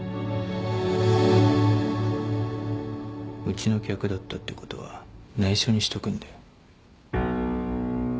うちの客だったってことは内緒にしとくんで